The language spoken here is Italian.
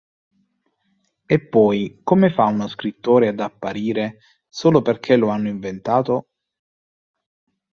E poi, come fa uno scrittore ad apparire solo perché lo hanno inventato?